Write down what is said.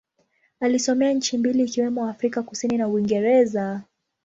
Alisomea nchi mbili ikiwemo Afrika Kusini na Uingereza.